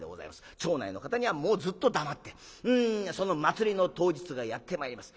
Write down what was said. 町内の方にはずっと黙ってその祭りの当日がやって参ります。